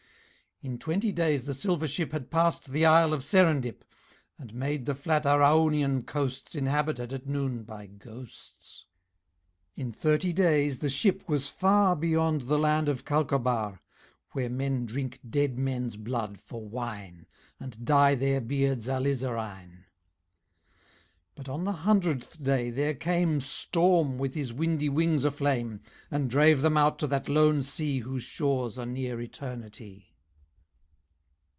In twenty days the silver ship Had passed the Isle of Serendip, And made the flat Araunian coasts Inhabited, at noon, by Ghosts. In thirty days the ship was far Beyond the land of Calcobar, Where men drink Dead Men's Blood for wine, And dye their beards alizarine. But on the hundredth day there came Storm with his windy wings aflame, And drave them out to that Lone Sea Whose shores are near Eternity.